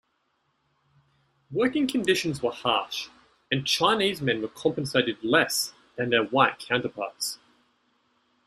Working conditions were harsh, and Chinese men were compensated less than their white counterparts.